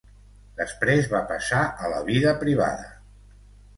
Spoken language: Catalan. Després va passar a la vida privada.